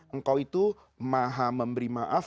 engkau itu maha memberi maaf